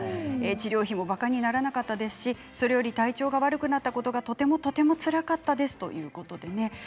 治療費もばかになりませんでしたし、体調が悪くなったことはとてもとてもつらかったですということです。